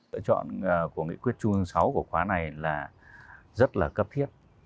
lựa chọn của nghị quyết chung sáu của khóa này là rất là cấp thiết